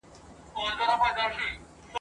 شاوخواته تشه توره کربلا وه ..